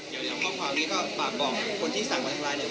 เดี๋ยวเรามองความนี้ก็บอกคนที่สั่งมาทางไลน์